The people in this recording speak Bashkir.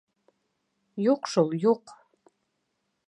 Юҡ шул, юҡ!